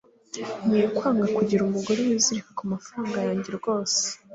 Nkwiye kwanga kugira umugore wizirika kumafaranga yanjye rwose